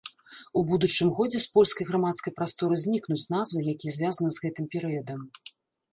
У будучым годзе з польскай грамадскай прасторы знікнуць назвы, якія звязаныя з гэтым перыядам.